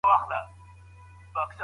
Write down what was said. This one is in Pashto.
خپله پوهه له نورو سره شریکه کړه.